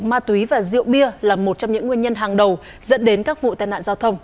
ma túy và rượu bia là một trong những nguyên nhân hàng đầu dẫn đến các vụ tai nạn giao thông